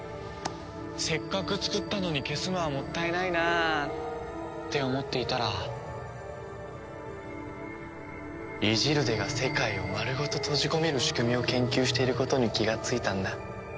せっかくつくったのに消すのはもったいないなあって思っていたらイジルデが世界を丸ごと閉じ込める仕組みを研究していることに気がついたんだ。